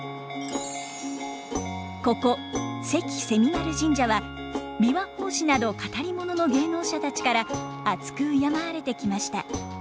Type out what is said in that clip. ここ関蝉丸神社は琵琶法師など語り物の芸能者たちから篤く敬われてきました。